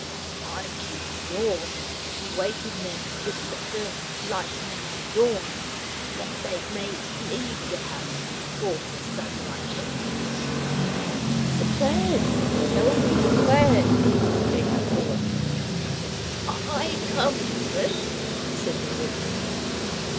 I keep the door, to waken them with the first lightening of dawn, that they may leave the house before the sunlight enters/' " The plan ! Tell me the plan," begged Rua. " I come to it," said the woman.